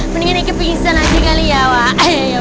mendingan dikepingin sana aja kali ya wak